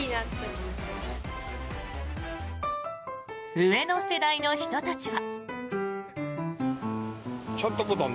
上の世代の人たちは。